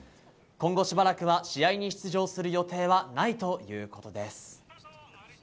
今後しばらくは試合に出場する予定はないということです。